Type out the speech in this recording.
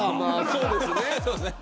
そうですね。